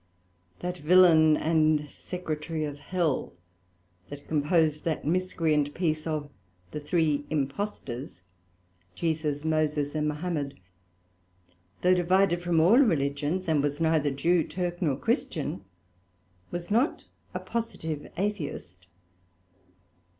That Villain and Secretary of Hell, that composed that miscreant piece of the Three Impostors, though divided from all Religions, and was neither Jew, Turk, nor Christian, was not a positive Atheist.